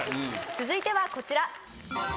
続いてはこちら。